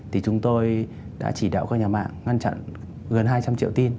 thì chúng tôi đã chỉ đạo các nhà mạng ngăn chặn gần hai trăm linh triệu tin